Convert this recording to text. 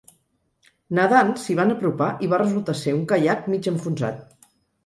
Nedant, s’hi van apropar i va resultar ser un caiac mig enfonsat.